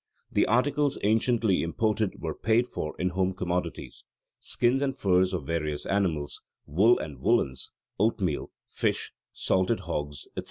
The articles anciently imported were paid for in home commodities skins and furs of various animals, wool and woollens, oatmeal, fish, salted hogs, etc.